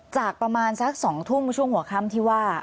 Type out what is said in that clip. ประมาณสัก๒ทุ่มช่วงหัวค่ำที่ว่า